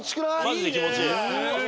マジで気持ちいいっす。